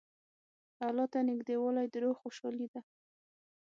الله ته نېږدېوالی د روح خوشحالي ده.